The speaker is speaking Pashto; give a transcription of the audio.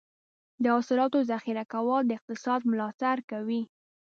د حاصلاتو ذخیره کول د اقتصاد ملاتړ کوي.